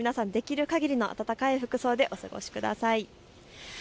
今夜は皆さんできるかぎりの暖かい服装でお過ごしください。